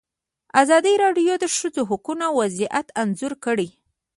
ازادي راډیو د د ښځو حقونه وضعیت انځور کړی.